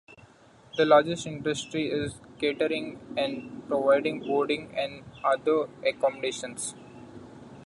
The largest industry is catering and providing boarding and other accommodations.